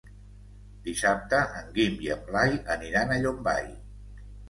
Dissabte en Guim i en Blai aniran a Llombai.